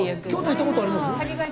行ったことあります。